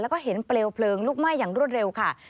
แล้วก็เห็นเปลวเพลิงลุกไหม้อย่างรวดเร็วค่ะ